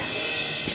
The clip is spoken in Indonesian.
itu elsa apa banget